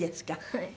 はい。